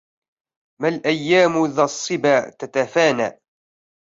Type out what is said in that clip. ما لأيام ذا الصبا تتفانى